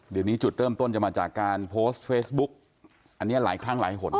เดี๋ยวนี้จุดเริ่มต้นจะมาจากการโพสต์เฟซบุ๊กอันนี้หลายครั้งหลายหน